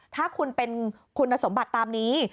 ถ้าคุณเป็นคุณสมบัติตามนี้